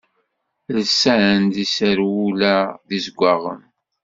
Lsan-d iserwula d izeggaɣen.